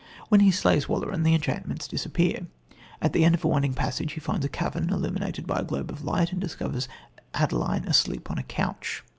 When he slays Walleran the enchantments disappear. At the end of a winding passage he finds a cavern illuminated by a globe of light, and discovers Adeline asleep on a couch.